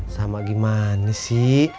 sama gimana sih